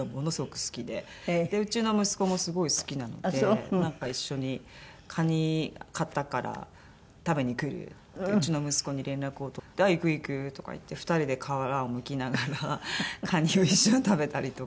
うちの息子もすごい好きなのでなんか一緒に「カニ買ったから食べに来る？」とかいってうちの息子に連絡を取って「あっ行く行く」とかいって２人で殻をむきながらカニを一緒に食べたりとか。